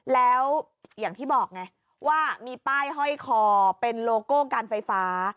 แล้วอย่างที่บอกไงว่ามีป้ายห้อยคอเป็นโลโก้การไฟฟ้า